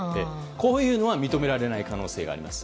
こういうのは認められない可能性があります。